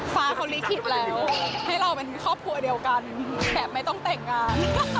ฟ้าเขาลิขิตแล้วให้เราเป็นครอบครัวเดียวกันแทบไม่ต้องแต่งงาน